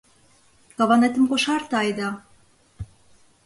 — Каванетым кошарте айда.